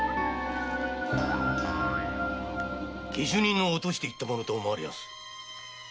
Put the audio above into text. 下手人の落としていった物と思われます。